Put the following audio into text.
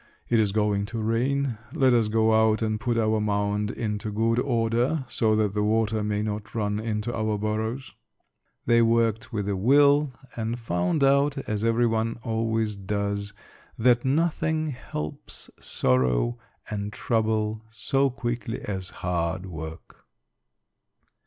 "It is going to rain. Let us go out and put our mound into good order so that the water may not run into our burrows." They worked with a will, and found out, as everyone always does, that nothing helps sorrow and trouble so quickly as hard work.